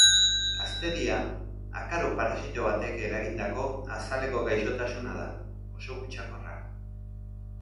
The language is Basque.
Hazteria akaro parasito batek eragindako azaleko gaixotasuna da, oso kutsakorra.